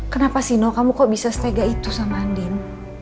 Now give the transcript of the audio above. kenapa sih noh kamu kok bisa setega itu sama andin